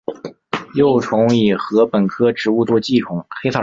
幼虫以禾本科植物作寄主。